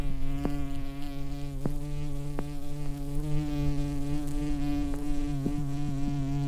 Tangu wakati huo wameungana naye mafichoni wakihofia kulipiziwa kisasi na magenge hayo